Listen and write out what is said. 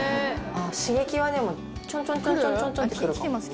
刺激はでもちょんちょんちょんって来るかも。